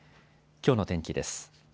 きょうの天気です。